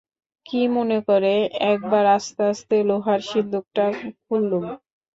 কী মনে করে একবার আস্তে আস্তে লোহার সিন্দুকটা খুললুম।